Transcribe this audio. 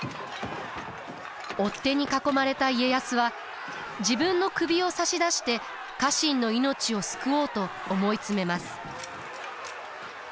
追っ手に囲まれた家康は自分の首を差し出して家臣の命を救おうと思い詰めます。